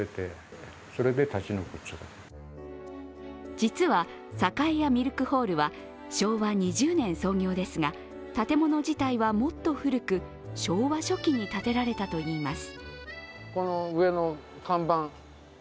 実は栄屋ミルクホールは昭和２０年創業ですが建物自体はもっと古く昭和初期に建てられたといいます。